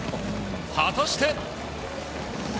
果たして？